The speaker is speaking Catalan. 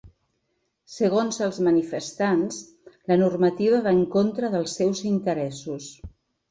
Segons els manifestants, la normativa va en contra dels seus interessos.